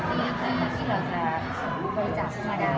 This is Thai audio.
ที่เราจะโดยอาจารย์ขึ้นมาได้